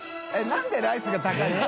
┐何でライスが高いの？